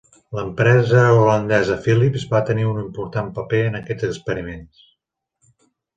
L'empresa holandesa Philips va tenir un important paper en aquests experiments.